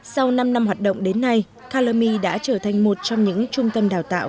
sau năm năm hoạt động đến nay calami đã trở thành một trong những trung tâm đào tạo